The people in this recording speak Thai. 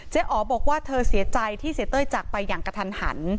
เจ๊อ๋อบอกว่าเธอเสียใจจากไปแย่หนังกะทัน